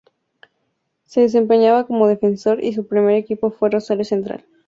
Se desempeñaba como defensor y su primer equipo fue Rosario Central.